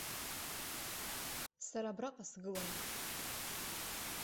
Сара абраҟа сгылан.